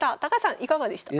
いかがでしたか？